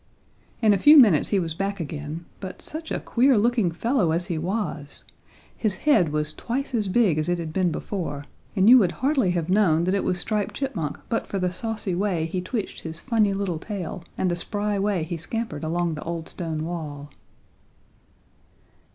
In a few minutes he was back again, but such a queer looking fellow as he was! His head was twice as big as it had been before and you would hardly have known that it was Striped Chipmunk but for the saucy way he twitched his funny little tail and the spry way he scampered along the old stone wall.